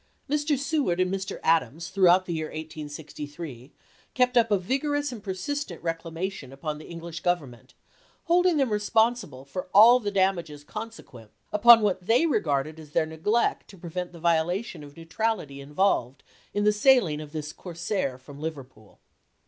Mr. Seward and Mr. Adams, throughout the year 1863, kept up a vigor ous and persistent reclamation upon the Enghsh Government, holding them responsible for all the damages consequent upon what they regarded as theii' neglect to prevent the violation of neutrality involved in the sailing of this corsair from Liverpool.